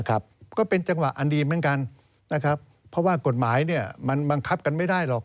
อันดีเหมือนกันเพราะว่ากฎหมายมันบังคับกันไม่ได้หรอก